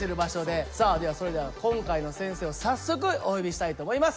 さあそれでは今回の先生を早速お呼びしたいと思います。